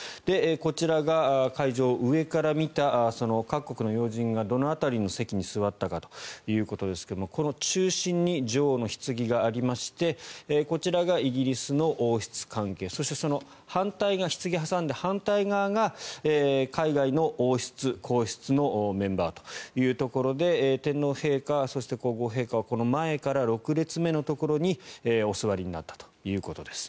こちらが会場を上から見た各国の要人がどの辺りの席に座ったかということですがこの中心に女王のひつぎがありましてこちらがイギリスの王室関係そして、そのひつぎの反対側が海外の王室、皇室のメンバーというところで天皇陛下、そして皇后陛下は前から６列目のところにお座りになったということです。